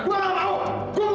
gue gak mau